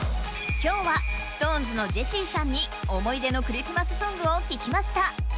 今日はＳｉｘＴＯＮＥＳのジェシーさんに思い出のクリスマスソングを聞きました。